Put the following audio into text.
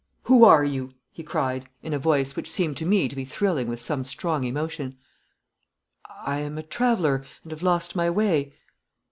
'Who are you?' he cried, in a voice which seemed to me to be thrilling with some strong emotion. 'I am a traveller, and have lost my way.'